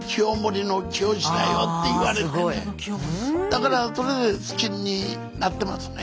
だからそれで好きになってますね。